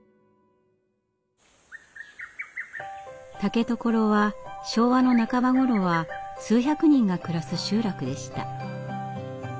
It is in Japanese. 竹所は昭和の半ば頃は数百人が暮らす集落でした。